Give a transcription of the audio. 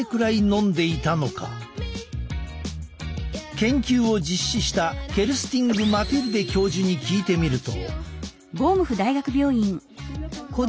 研究を実施したケルスティング・マティルデ教授に聞いてみると。